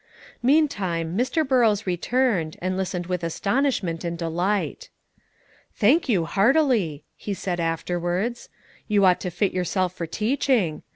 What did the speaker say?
Meantime, Mr. Burrows returned, and listened with astonishment and delight. "Thank you heartily," he said afterwards. "You ought to fit yourself for teaching.